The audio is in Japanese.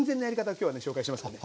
今日はね紹介しますからね。